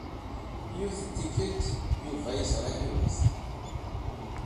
Yiwet n tikkelt, Yuba yeẓra yiwet.